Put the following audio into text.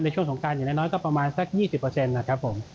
ช่วงสงการอย่างน้อยก็ประมาณสัก๒๐นะครับผม